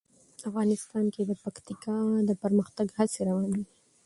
افغانستان کې د پکتیکا د پرمختګ هڅې روانې دي.